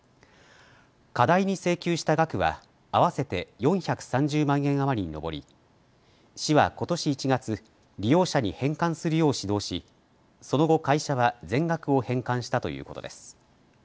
過大に請求した額は合わせて４３０万円余りに上り市はことし１月、利用者に返還するよう指導し、その後、会社は全額を返還したということです。